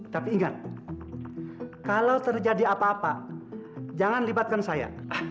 tapi ingat kalau terjadi apa apa jangan libatkan saya